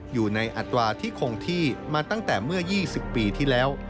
อยู่ในอัตราที่คงที่มาตั้งแต่เมื่อ๒๐ปีที่แล้ว